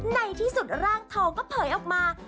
ในที่สุดร่างทองก็เผยออกมา